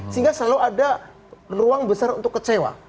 sehingga selalu ada ruang besar untuk kecewa